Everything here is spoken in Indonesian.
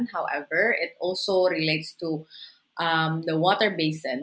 di dalam tanah namun